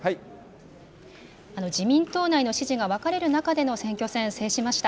自民党内の支持が分かれる中での選挙戦、制しました。